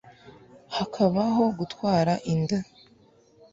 hakabaho gutwara inda